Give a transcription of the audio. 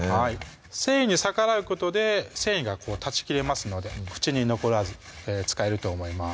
繊維に逆らうことで繊維が断ち切れますので口に残らず使えると思います